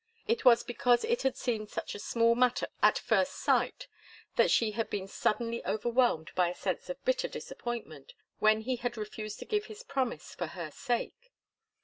It was because it had seemed such a small matter at first sight that she had been suddenly overwhelmed by a sense of bitter disappointment when he had refused to give his promise for her sake.